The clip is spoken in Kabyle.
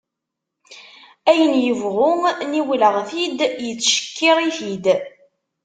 Ayen yebɣu niwleɣ-t-id yettcekkir-it-id.